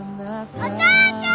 お父ちゃん！